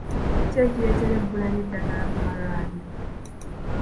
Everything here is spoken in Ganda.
Ki ekireetera ebbula ly'eddagala mu malwaliro?